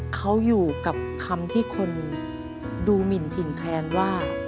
เขาอยู่กับคำที่คนดูหมินถิ่นแคลนว่า